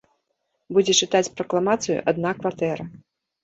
Будзе чытаць пракламацыю адна кватэра.